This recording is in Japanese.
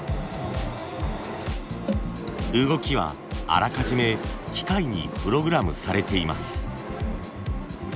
動きはあらかじめ機械にプログラムされています。